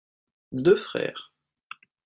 Deux frères.